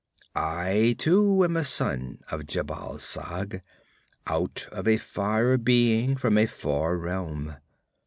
I too am a son of Jhebbal Sag, out of a fire being from a far realm.